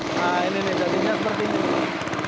nah ini nih jadinya seperti ini